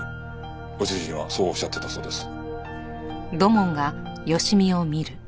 ご主人はそうおっしゃっていたそうです。